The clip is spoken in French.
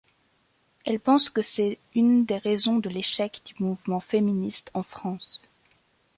Elle pense que c'est une des raisons de l'échec du mouvement féministe en France.